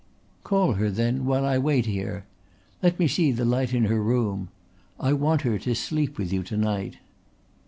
"Call her then, while I wait here. Let me see the light in her room. I want her to sleep with you to night."